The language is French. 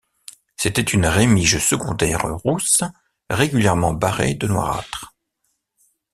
C’était une rémige secondaire rousse, régulièrement barrée de noirâtre.